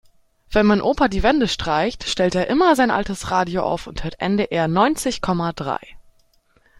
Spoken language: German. Wenn mein Opa die Wände streicht, stellt er immer sein altes Radio auf und hört NDR neunzig Komma drei.